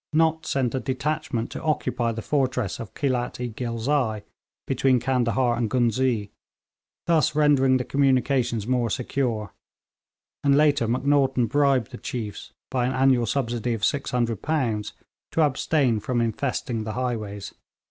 Nott sent a detachment to occupy the fortress of Khelat i Ghilzai, between Candahar and Ghuznee, thus rendering the communications more secure; and later, Macnaghten bribed the chiefs by an annual subsidy of £600 to abstain from infesting the highways.